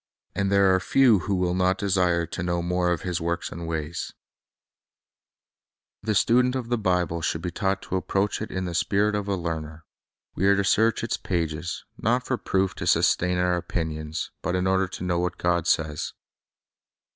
And there are few who will not desire to know more of His works and ways. Bible Teaching and Study 189 The .student of the Bible should be taught to approach it in the spirit of a learner. We are to search Purpose in 1 r r Study its pages, not for proof to sustain our opinions, but in order to know what God says.